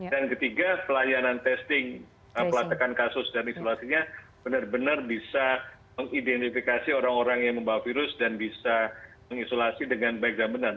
dan ketiga pelayanan testing pelatekan kasus dan isolasinya benar benar bisa mengidentifikasi orang orang yang membawa virus dan bisa mengisolasi dengan baik dan benar